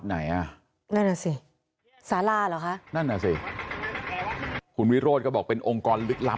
นะน่ะสิสาราหรอคะนั้นนะสิคุณวิโรธก็บอกเป็นองค์กรลึกลับ